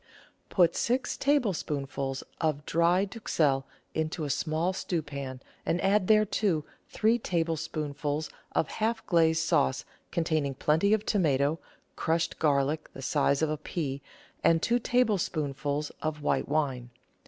Put six tablespoonfuls of dry duxelle into a small stewpan, and add thereto three tablespoonfuls of half glaze sauce con taining plenty of tomato, crushed garlic the size of a pea, and two tablespoonfuls of white wine.